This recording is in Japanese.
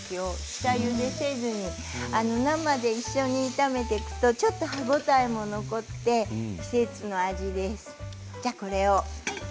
下ゆでせずに生で一緒に炒めていくとちょっと歯応えも残って季節の味です。